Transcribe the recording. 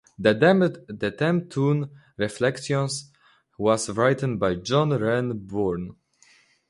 The theme tune, "Reflections", was written by John Renbourn.